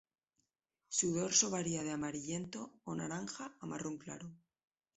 Su dorso varía de amarillento o naranja a marrón claro.